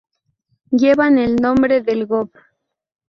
Llevan el nombre del Gob.